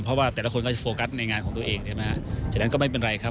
เพราะว่าแต่ละคนก็จะโฟกัสในงานของตัวเองใช่ไหมฉะนั้นก็ไม่เป็นไรครับ